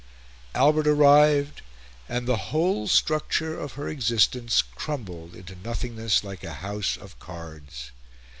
Albert arrived; and the whole structure of her existence crumbled into nothingness like a house of cards.